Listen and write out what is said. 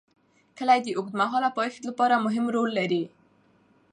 کلي د اوږدمهاله پایښت لپاره مهم رول لري.